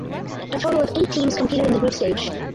A total of eight teams competed in the group stage.